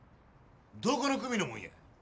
どこの組のもんや。